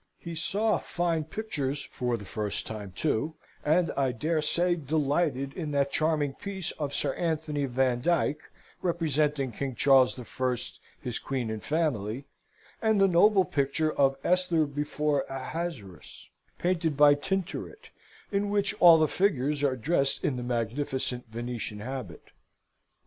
He saw fine pictures for the first time too, and I dare say delighted in that charming piece of Sir Athony Vandyck, representing King Charles the First, his Queen and Family, and the noble picture of "Esther before Ahasuerus," painted by Tintoret, and in which all the figures are dressed in the magnificent Venetian habit.